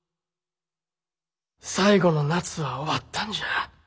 最後の夏は終わったんじゃ。